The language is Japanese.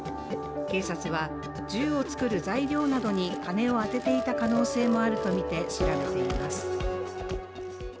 警察は、銃を作る材料などに金を充てていた可能性もあるとみて調べています。